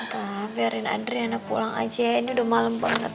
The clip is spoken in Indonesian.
tante biarin adriana pulang aja ya ini udah malem banget